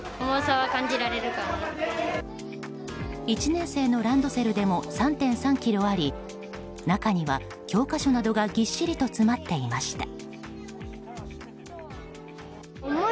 １年生のランドセルでも３．３ｋｇあり中には、教科書などがぎっしりと詰まっていました。